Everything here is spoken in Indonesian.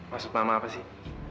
maksud mama apa sih